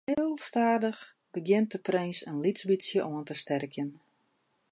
Heel stadich begjint de prins in lyts bytsje oan te sterkjen.